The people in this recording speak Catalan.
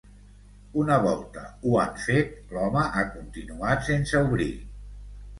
Una volta ho han fet, l’home ha continuat sense obrir.